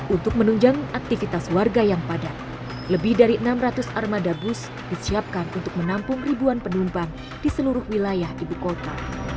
untuk menunjang aktivitas warga yang padat lebih dari enam ratus armada bus disiapkan untuk menampung ribuan penumpang di seluruh wilayah ibu kota